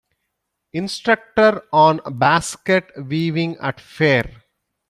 Instructor on Basket weaving at fair